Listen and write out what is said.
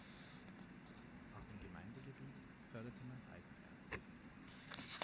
Auf dem Gemeindegebiet förderte man Eisenerz.